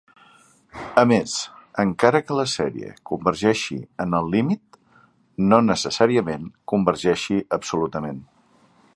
A més, encara que la sèrie convergeixi en el límit, no necessàriament convergeixi absolutament.